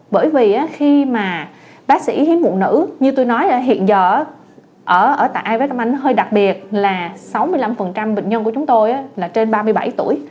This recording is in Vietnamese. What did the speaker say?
bởi vì khi mà bác sĩ hiếm mụ nữ như tôi nói hiện giờ ở tại ivf tâm anh hơi đặc biệt là sáu mươi năm bệnh nhân của chúng tôi là trên ba mươi bảy tuổi